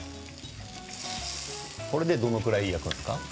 これでどのぐらい焼くんですか？